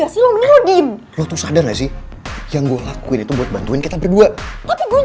sampai sekarang putri gak bisa dihubungin